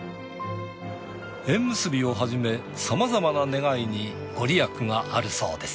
縁結びをはじめさまざまな願いにご利益があるそうです。